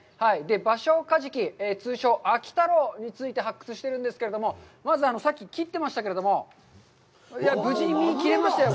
バショウカジキ、通称・秋太郎について発掘しているんですけども、まず、さっき切ってましたけれども、無事に身が切れましたよ。